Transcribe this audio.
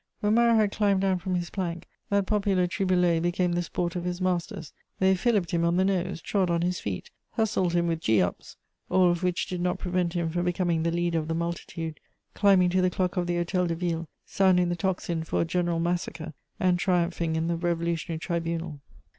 ] When Marat had climbed down from his plank, that popular Triboulet became the sport of his masters: they filliped him on the nose, trod on his feet, hustled him with "gee ups," all of which did not prevent him from becoming the leader of the multitude, climbing to the clock of the Hôtel de Ville, sounding the tocsin for a general massacre, and triumphing in the revolutionary tribunal.